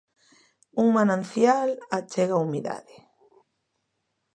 Un manancial achega humidade.